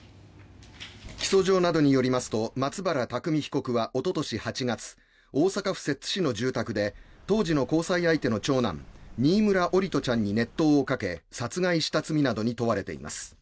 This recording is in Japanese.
起訴状などによりますと松原拓海被告はおととし８月大阪府摂津市の住宅で当時の交際相手の長男新村桜利斗ちゃんに熱湯をかけ殺害した罪などに問われています。